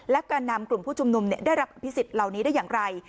และแก่นำกลุ่มผู้ชุมนุมได้รับอภิษฎเหล่านี้ได้อย่างไร